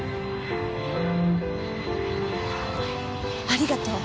ありがとう。